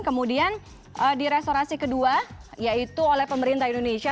kemudian di restorasi kedua yaitu oleh pemerintah indonesia